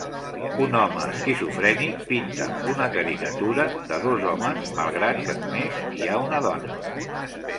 Un home esquizofrènic pinta una caricatura de dos homes malgrat que només hi ha una dona